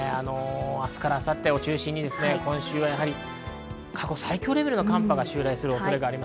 明日から明後日を中心に今週は過去最強レベルの寒波が襲来する恐れがあります。